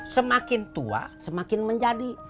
semakin tua semakin menjadi